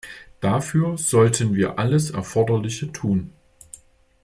Dafür sollten wir alles Erforderliche tun.